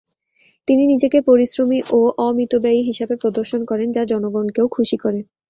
তিনি নিজেকে পরিশ্রমী ও অমিতব্যয়ী হিসেবে প্রদর্শন করেন, যা জনগণকেও খুশি করে।